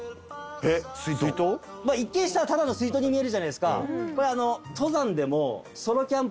えっ？一見したらただの水筒に見えるじゃないですか。